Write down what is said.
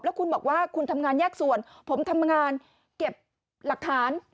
แล้วคุณบอกว่าคุณทำงานแยกส่วนผมทำงานเก็บหลักฐาน